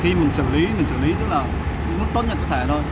khi mình xử lý mình xử lý tức là tốt nhất có thể thôi